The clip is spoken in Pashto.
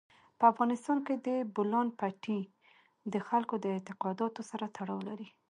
په افغانستان کې د بولان پټي د خلکو د اعتقاداتو سره تړاو لري.